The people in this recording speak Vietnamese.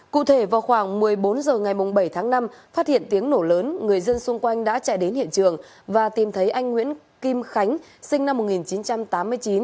cụ thể vào khoảng một mươi bốn h ngày bảy tháng năm phát hiện tiếng nổ lớn người dân xung quanh đã chạy đến hiện trường và tìm thấy anh nguyễn kim khánh sinh năm một nghìn chín trăm tám mươi chín